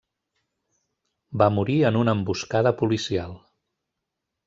Va morir en una emboscada policial.